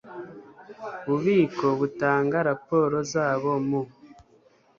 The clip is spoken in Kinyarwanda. bubiko Batanga raporo zabo mu